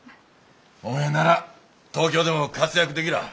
おめえなら東京でも活躍できらあ。